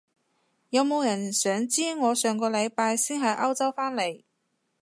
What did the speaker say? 有冇人想知我上個禮拜先喺歐洲返嚟？